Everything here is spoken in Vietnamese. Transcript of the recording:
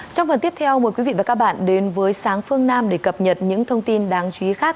trong phần tiếp theo mời quý vị và các bạn đến với sáng phương nam để cập nhật những thông tin đáng chú ý khác